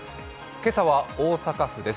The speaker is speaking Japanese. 今朝は大阪府です。